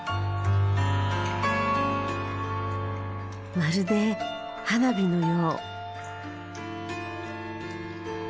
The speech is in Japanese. まるで花火のよう。